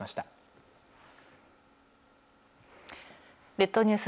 列島ニュース